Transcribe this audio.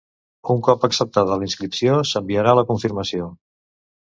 Un cop acceptada la inscripció s'enviarà la confirmació.